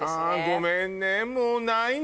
ごめんね。